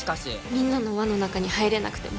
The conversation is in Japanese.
みんなの輪の中に入れなくても平気なふり。